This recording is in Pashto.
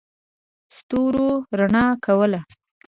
ستورو رڼا کوله.